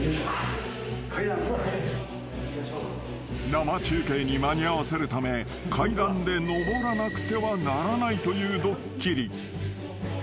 ［生中継に間に合わせるため階段で上らなくてはならないというドッキリ］